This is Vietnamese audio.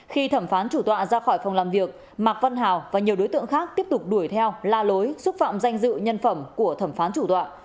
khi thẩm phán chủ tọa ra khỏi phòng làm việc mạc văn hào và nhiều đối tượng khác tiếp tục đuổi theo la lối xúc phạm danh dự nhân phẩm của thẩm phán chủ tọa